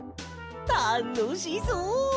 たのしそう！